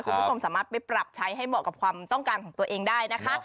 คุณผู้ชมสามารถไปปรับใช้ให้เหมาะกับความต้องการของตัวเองได้นะคะ